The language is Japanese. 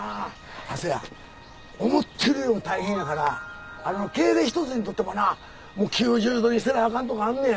せや思ってるよりも大変やから敬礼一つにとってもな９０度にせなあかんとかあんねや。